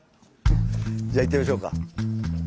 じゃあ行ってみましょうか。